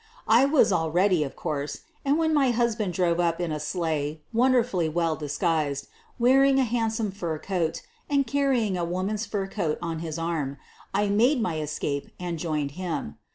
I was all ready, of course, and when my husbam drove up in a sleigh, wonderfully well disguised, wearing a handsome fur coat, and carrying a wom an's fur coat on his arm, I made my escape an( joined him.